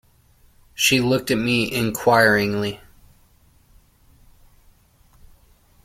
She looked at me inquiringly.